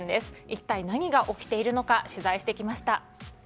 一体何が起きているのか取材してきました。